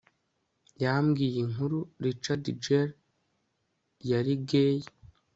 yambwiye inkuru richard gere yari gay